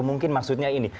mungkin maksudnya ini